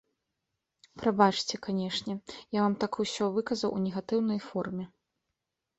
Прабачце, канешне, я вам так усё выказаў у негатыўнай форме.